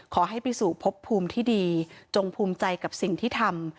ขอให้ไปสู่พบภูมิที่ดีจงภูมิใจกับสิ่งที่ทำ